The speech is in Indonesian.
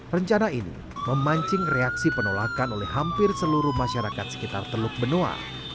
rencana ini memancing reaksi penolakan oleh hampir seluruh masyarakat sekitar teluk benoa